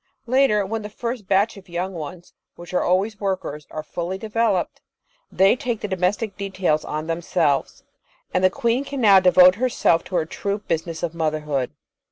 Later, when the first batch of young ones, which are always workers, are fully developed, they take the domestic details on themselves, and the queen can now devote herself to her true business of motherhood.